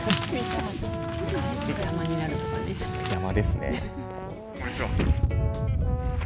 邪魔ですね。